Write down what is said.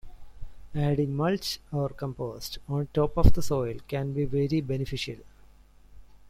Adding mulch or compost on top of the soil can be very beneficial.